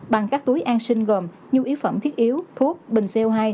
bằng các túi an sinh gồm nhu yếu phẩm thiết yếu thuốc bình co hai